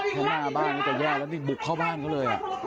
ถ้าหน้าบ้านก็จะแย่แล้วนี่บุกเข้าบ้านเขาเลย